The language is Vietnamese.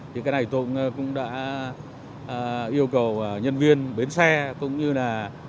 thì cái này tôi cũng đã yêu cầu nhân viên bến xe cũng như nhà xe